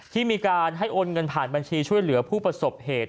ที่มีการให้โอนเงินผ่านบัญชีช่วยเหลือผู้ประสบเหตุ